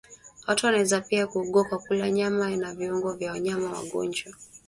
watu wanaweza pia kuugua kwa kula nyama na viungo vya wanyama wagonjwa